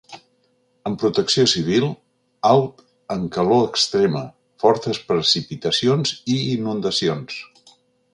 En protecció civil, alt en calor extrema, fortes precipitacions i inundacions.